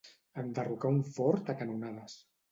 Enderrocar un fort a canonades.